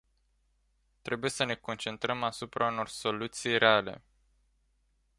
Trebuie să ne concentrăm asupra unor soluții reale.